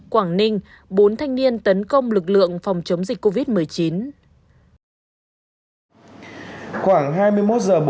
quảng ninh bốn thanh niên tấn công lực lượng phòng chống dịch covid một mươi chín